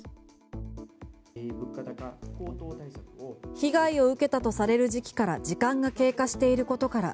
被害を受けたとされる時期から時間が経過していることから